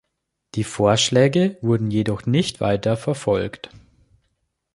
Die Vorschläge wurden jedoch nicht weiter verfolgt.